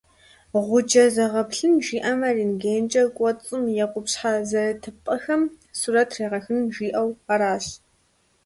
Гъуджэ зэгъэплъын жиӏэмэ, рентгенкӀэ кӀуэцӀым е къупщхьэ зэрытыпӀэхэм сурэт трегъэхын жиӏэу аращ.